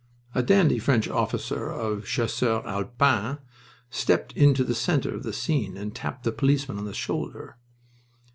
A dandy French officer of Chasseurs Alpins stepped into the center of the scene and tapped the policeman on the shoulder.